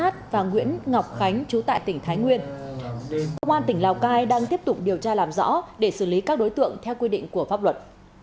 công an tỉnh lào cai đang tiếp tục điều tra làm rõ để xử lý các đối tượng theo quy định của pháp luật